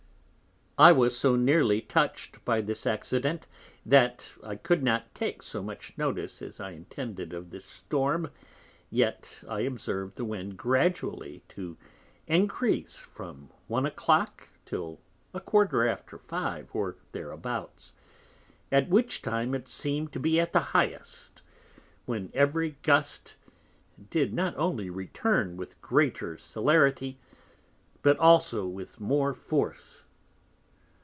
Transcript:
I was so nearly touch'd by this Accident, that I could not take so much notice as I intended of this Storm; yet I observ'd the Wind gradually to encrease from One a Clock till a Quarter after Five, or thereabouts: at which time it seem'd to be at the highest; when every Gust did not only return with greater Celerity, but also with more Force.